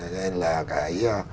nên là cái